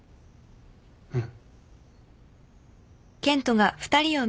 うん。